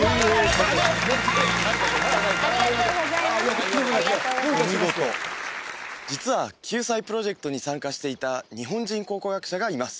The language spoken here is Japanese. とんでもないどういたしまして実は救済プロジェクトに参加していた日本人考古学者がいます